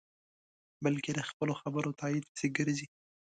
بلکې د خپلو خبرو تایید پسې گرځي.